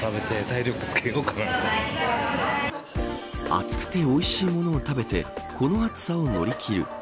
熱くて、おいしいものを食べてこの暑さを乗り切る。